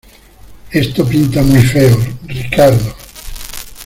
esto pinta muy feo, Ricardo.